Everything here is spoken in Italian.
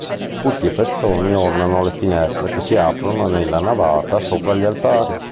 Putti e festoni ornano le finestre che si aprono nella navata sopra gli altari.